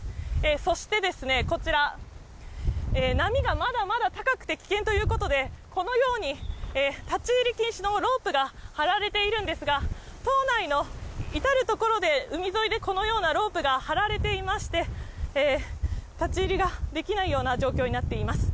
そしてですね、こちら、波がまだまだ高くて危険ということで、このように立ち入り禁止のロープが張られているんですが、島内の至る所で海沿いでこのようなロープが張られていまして、立ち入りができないような状況になっています。